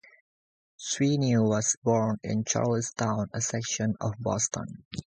Sweeney was born in Charlestown, a section of Boston.